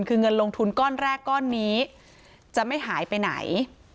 คือเงินลงทุนก้อนแรกก้อนนี้จะไม่หายไปไหน